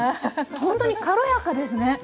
ほんとに軽やかですね。